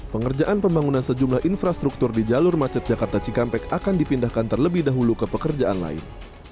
pengerjaan pembangunan sejumlah infrastruktur di jalur macet jakarta cikampek akan dipindahkan terlebih dahulu ke pekerjaan lain